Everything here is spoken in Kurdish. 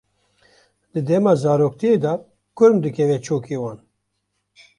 Di dema zaroktiyê de kurm dikeve çokê wan.